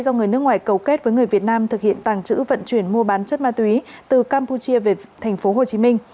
do người nước ngoài cầu kết với người việt nam thực hiện tàng trữ vận chuyển mua bán chất ma túy từ campuchia về tp hcm